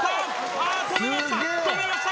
ああ止めました。